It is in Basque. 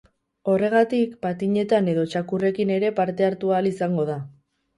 Horregatik, patinetan edo txakurrekin ere parte hartu ahal izango da.